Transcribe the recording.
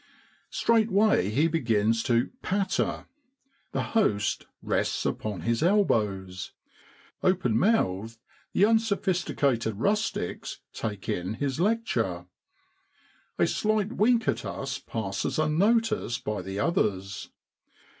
Straightway he begins to 'patter.' The host rests upon his elbows; open mouthed, the unsophisticated rustics take in his lecture. A slight wink at us passes unnoticed by the others.